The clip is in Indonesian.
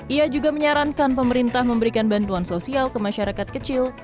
ia juga menyarankan pemerintah memberikan bantuan sosial ke masyarakat kecil